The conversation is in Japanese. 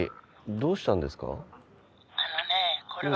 どうしたんですか？